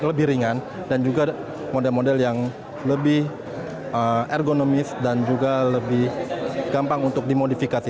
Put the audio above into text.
lebih ringan dan juga model model yang lebih ergonomis dan juga lebih gampang untuk dimodifikasi